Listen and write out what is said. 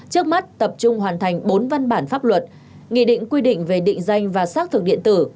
trước mắt tập trung hoàn thành bốn văn bản pháp luật nghị định quy định về định danh và xác thực điện tử